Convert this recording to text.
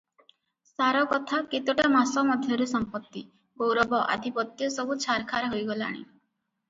ସାରକଥା କେତୋଟା ମାସ ମଧ୍ୟରେ ସମ୍ପତ୍ତି, ଗୌରବ, ଆଧିପତ୍ୟ ସବୁ ଛାରଖାର ହୋଇଗଲାଣି ।